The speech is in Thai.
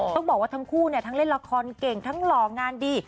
ต้องบอกว่าทั้งคู่ทั้งเล่นละครเก่งทั้งหล่องานดี